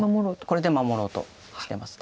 これで守ろうとしてます。